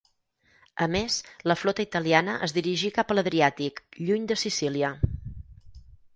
A més, la flota italiana es dirigí cap a l'Adriàtic, lluny de Sicília.